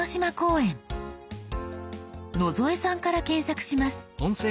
野添さんから検索します。